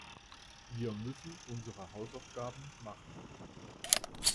Wir müssen unsere Hausaufgaben machen.